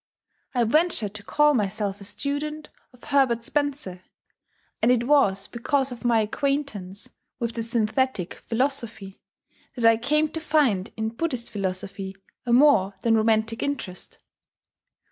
I venture to call myself a student of Herbert Spencer; and it was because of my acquaintance with the Synthetic Philosophy that I came to find in Buddhist philosophy a more than romantic interest.